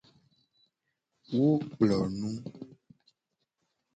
Wo kplo nu.